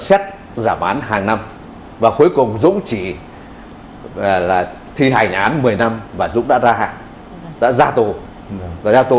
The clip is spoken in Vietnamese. xét giảm án hàng năm và cuối cùng dũng chỉ là thi hành án một mươi năm và dũng đã ra hạn đã ra tù và ra tù